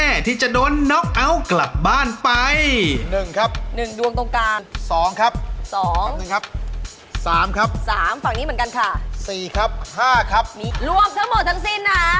เอากลับบ้านไปเลย